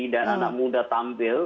dan anak muda tampil